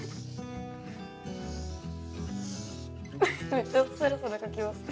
めっちゃスラスラかきますね。